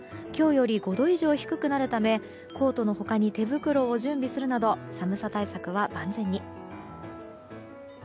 今日より５度以上低くなるためコートの他に手袋を準備するなど寒さ対策は万全に。